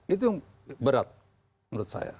itu berat menurut saya